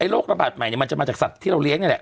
โรคระบาดใหม่มันจะมาจากสัตว์ที่เราเลี้ยนี่แหละ